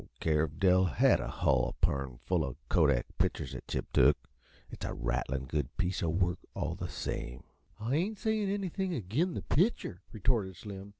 I don't care if Dell had a hull apurn full uh kodak pictures that Chip took it's a rattlin' good piece uh work, all the same." "I ain't sayin' anything agin' the pitcher," retorted Slim.